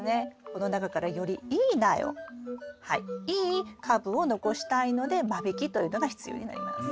この中からよりいい苗をはいいい株を残したいので間引きというのが必要になります。